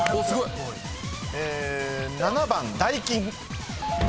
７番ダイキン。